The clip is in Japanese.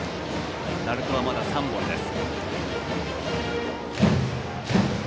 鳴門はまだ３本です。